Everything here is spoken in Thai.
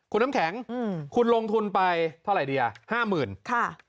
คุณน้ำแข็งคุณลงทุนไปเท่าไหร่ดีอ่ะห้าหมื่นค่ะ